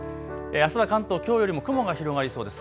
あすは関東、きょうよりも雲が広がりそうです。